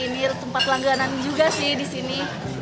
ini tempat langganan juga sih di sini